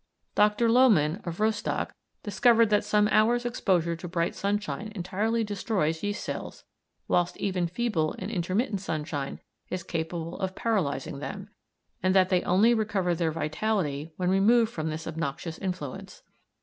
Dr. Lohmann, of Rostock, discovered that some hours' exposure to bright sunshine entirely destroys yeast cells, whilst even feeble and intermittent sunshine is capable of paralysing them, and that they only recover their vitality when removed from this obnoxious influence.